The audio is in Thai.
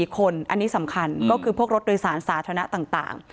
๔คนอันนี้สำคัญก็คือพวกรถโดยสารสาธารณะต่าง